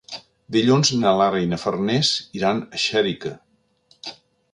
Dilluns na Lara i na Farners iran a Xèrica.